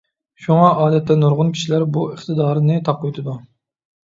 شۇڭا ئادەتتە نۇرغۇن كىشىلەر بۇ ئىقتىدارنى تاقىۋېتىدۇ.